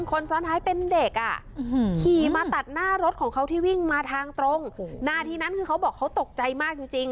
คนซ้อนท้ายเป็นเด็กอ่ะขี่มาตัดหน้ารถของเขาที่วิ่งมาทางตรงนาทีนั้นคือเขาบอกเขาตกใจมากจริงจริง